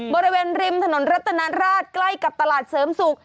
บริเวณริมถนนรัตนาราชใกล้กับตลาดเสริมสุข